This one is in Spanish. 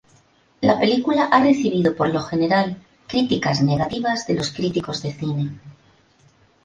La película ha recibido por lo general críticas negativas de los críticos de cine.